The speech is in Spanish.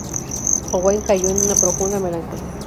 Owain cayó en una profunda melancolía.